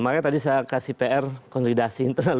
makanya tadi saya kasih pr konsolidasi internal